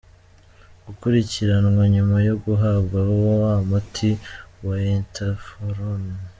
gukurikiranwa nyuma yo guhabwa wa muti wainterféron